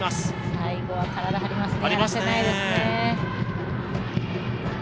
最後は体、張りましたね。